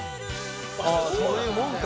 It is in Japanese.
そういうもんか。